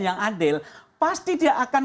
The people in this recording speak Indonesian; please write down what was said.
yang adil pasti dia akan